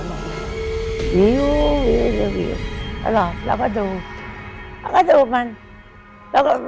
หน่อยอยู่อยู่อยู่อยู่อยู่ตลอดแล้วก็ดูแล้วก็ดูมันแล้วก็